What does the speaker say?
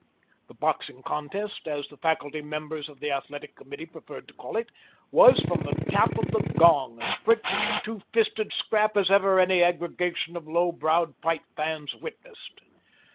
The boxing contest, as the faculty members of the athletic committee preferred to call it, was, from the tap of the gong, as pretty a two fisted scrap as ever any aggregation of low browed fight fans witnessed.